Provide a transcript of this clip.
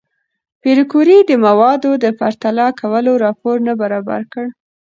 پېیر کوري د موادو د پرتله کولو راپور نه برابر کړ؟